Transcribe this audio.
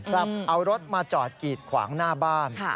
กลับเอารถมาจอดกีดขวางหน้าบ้าน